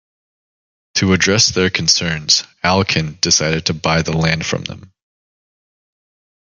To address their concerns Alcan decided to buy the land from them.